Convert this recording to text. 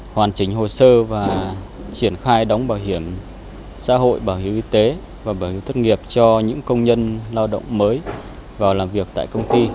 hoàn chỉnh hồ sơ và triển khai đóng bảo hiểm xã hội bảo hiểm y tế và bảo hiểm thất nghiệp cho những công nhân lao động mới vào làm việc tại công ty